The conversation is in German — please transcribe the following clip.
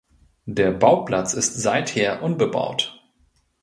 Der Bauplatz ist seither unbebaut.